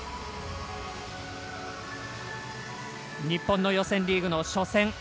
日本の予選リーグの初戦